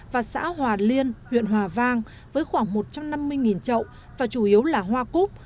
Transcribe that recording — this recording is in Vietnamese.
và xã hòa liên huyện hòa vang với khoảng một trăm năm mươi trậu và chủ yếu là hoa cúc